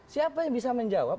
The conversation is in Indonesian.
siapa yang bisa menjawab